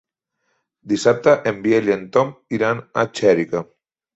Dissabte en Biel i en Tom iran a Xèrica.